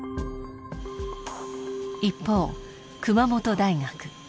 一方熊本大学。